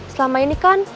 selama ini kan